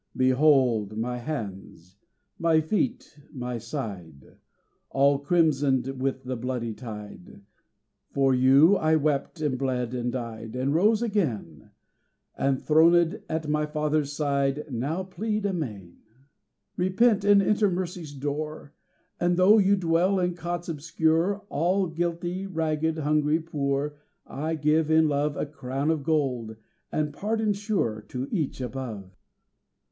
"Behold My hands, My feet, My side, All crimsoned with the bloody tide! For you I wept, and bled, and died, And rose again: And throned at My Father's side, Now plead amain! "Repent, and enter Mercy's door, And though you dwell in cots obscure, All guilty, ragged, hungry, poor, I give in love A crown of gold, and pardon sure, To each above."